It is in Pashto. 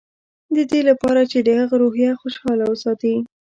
د دې لپاره چې د هغه روحيه خوشحاله وساتي.